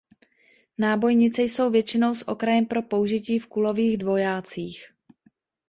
Nábojnice jsou většinou s okrajem pro použití v kulových dvojácích.